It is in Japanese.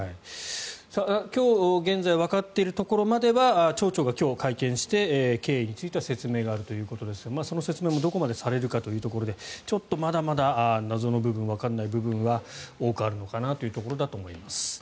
今日現在わかっているところまでは町長が今日会見して経緯については説明があるということですがその説明もどこまでされるかということでちょっとまだまだ謎の部分わからない部分は多くあるのかなというところです。